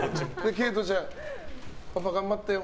佳都ちゃん、パパ頑張ったよ。